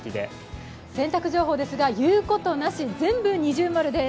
洗濯情報ですが、言うことなし、全部◎です。